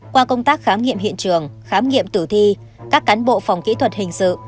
qua công tác khám nghiệm hiện trường khám nghiệm tử thi các cán bộ phòng kỹ thuật hình sự